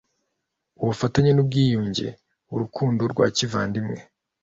ubufatanye n’ubwiyunge urukundo rwa kivandimwe